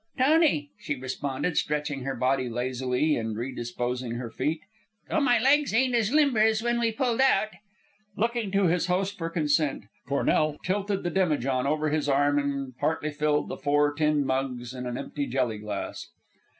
"Tony," she responded, stretching her body lazily and redisposing her feet; "though my legs ain't as limber as when we pulled out." Looking to his host for consent, Cornell tilted the demijohn over his arm and partly filled the four tin mugs and an empty jelly glass.